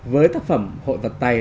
với tác phẩm hội vật tay